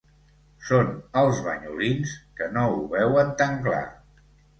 Són els banyolins, que no ho veuen tan clar.